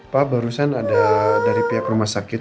pak barusan ada dari pihak rumah sakit